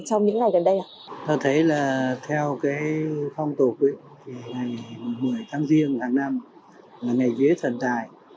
tôi thấy là theo phong tục ngày một mươi tháng diêng tháng năm là ngày vía thần tài